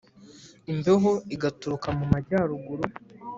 imbeho igaturuka mu majyaruguru